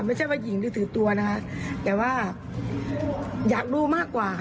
ไม่ใช่ว่าหญิงหรือถือตัวนะคะแต่ว่าอยากรู้มากกว่าค่ะ